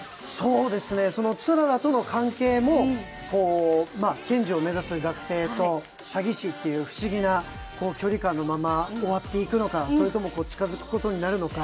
氷柱との関係も検事を目指す学生と詐欺師という不思議な距離感のまま終わっていくのかそれとも近づくことになるのか。